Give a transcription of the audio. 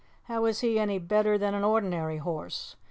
How is he any better than an ordinary horse?